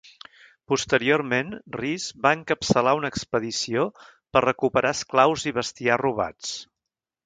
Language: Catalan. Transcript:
Posteriorment, Rees va encapçalar una expedició per recuperar esclaus i bestiar robats.